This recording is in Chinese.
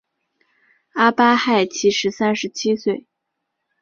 阿巴亥其时三十七岁。